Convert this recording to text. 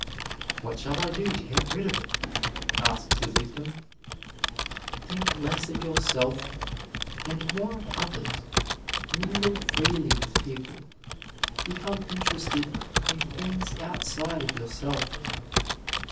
"What shall I do to get rid of it?" asks a victim. Think less of yourself and more of others. Mingle freely with people. Become interested in things outside of yourself.